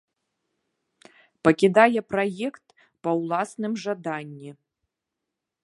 Пакідае праект па ўласным жаданні.